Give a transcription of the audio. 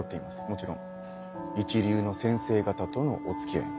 もちろん一流の先生方とのお付き合いも。